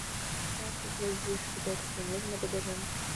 Так, глядзіш, і да экстрэмізму дабяжым.